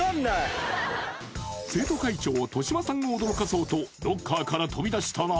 生徒会長戸島さんを驚かそうとロッカーから飛び出したら